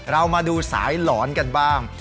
เรามาดูสายหลอนกันบ้าง